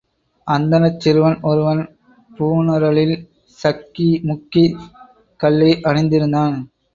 அந்தணச் சிறுவன் ஒருவன் பூணுரலில் சக்கி முக்கிக் கல்லை அணிந்திருந்தான்.